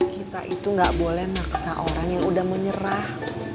kita itu nggak boleh maksa orang yang udah menyerah